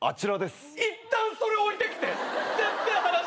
いったんそれ置いてきて！